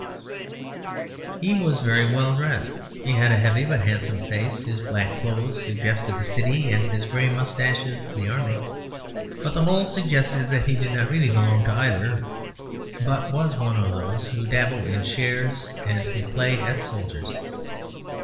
He was very well dressed; he had a heavy but handsome face; his black clothes suggested the City and his gray moustaches the Army; but the whole suggested that he did not really belong to either, but was one of those who dabble in shares and who play at soldiers.